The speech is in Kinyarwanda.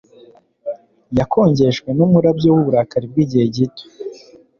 Yakongejwe numurabyo wuburakari bwigihe gito